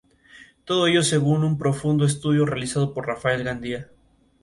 Un día encuentran a un joven tendido en la hierba.